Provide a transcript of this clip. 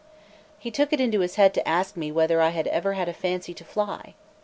He took it into his head to ask me whether I had ever had a fancy to fly.